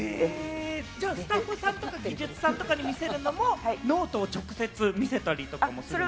スタッフさんとか、技術者に見せるのもノートを直接、見せたりとかもするんですか？